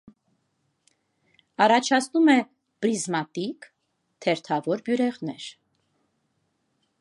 Առաջացնում է պրիզմատիկ, թերթավոր բյուրեղներ։